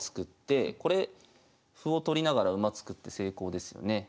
これ歩を取りながら馬作って成功ですよね。